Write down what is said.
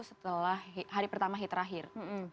setelah hari pertama hari terakhir